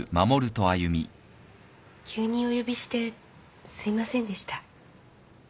急にお呼びしてすいませんでした。